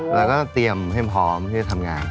เราก็เตรียมให้พร้อมที่จะทำงาน